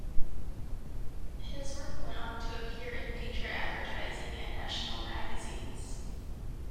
His work went on to appear in major advertising and national magazines.